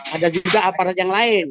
ada juga aparat yang lain